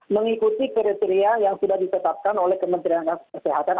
mengikuti kriteria yang sudah ditetapkan oleh kementerian kesehatan